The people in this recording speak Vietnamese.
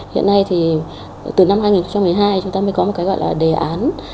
hiện nay từ năm hai nghìn một mươi hai chúng ta mới có một đề án